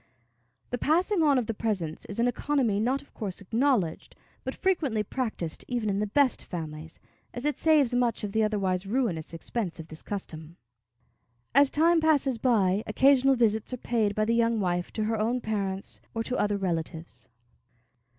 The passing on of the presents is an economy not of course acknowledged, but frequently practiced even in the best families, as it saves much of the otherwise ruinous expense of this custom. As time passes by, occasional visits are paid by the young wife to her own parents or to other relatives.